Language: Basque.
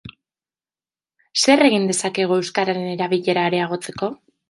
Zer egin dezakegu euskararen erabilera areagotzeko?